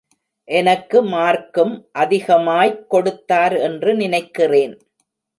எனக்கு மார்க்கும் அதிகமாய்க் கொடுத்தார் என்று நினைக்கிறேன்.